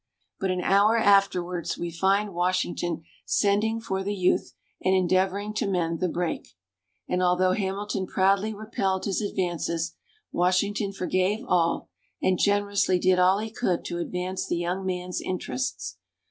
But an hour afterwards we find Washington sending for the youth and endeavoring to mend the break. And although Hamilton proudly repelled his advances, Washington forgave all and generously did all he could to advance the young man's interests.